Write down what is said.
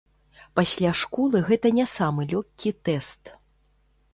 Пасля школы гэта не самы лёгкі тэст.